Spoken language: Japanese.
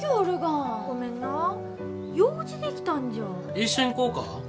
一緒に行こうか？